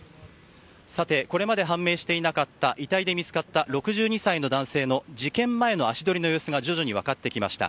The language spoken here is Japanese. これまで判明していなかった遺体で見つかった６２歳の男性の事件前の足取りの様子が徐々に分かってきました。